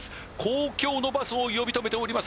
公共のバスを呼び止めております